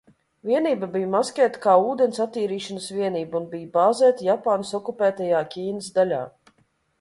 Vienība bija maskēta kā ūdens attīrīšanas vienība un bija bāzēta Japānas okupētajā Ķīnas daļā.